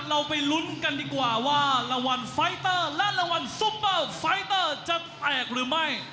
เราไปลุ้นกันดีกว่าว่ารางวัลไฟเตอร์และรางวัลซุปเปอร์ไฟเตอร์จะแตกหรือไม่